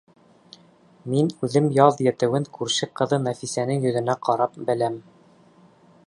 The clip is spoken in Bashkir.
Мин үҙем яҙ етеүен күрше ҡыҙы Нәфисәнең йөҙөнә ҡарап беләм.